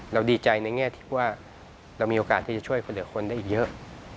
ดีใจในแง่ที่ว่าเรามีโอกาสที่จะช่วยคนเหลือคนได้เยอะ